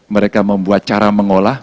mereka membuat cara mengolah